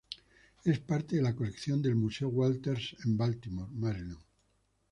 Es parte de la colección del Museo Walters en Baltimore, Maryland.